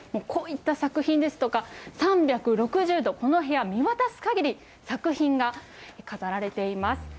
こういった作品ですとか、３６０度、この部屋、見渡すかぎり作品が飾られています。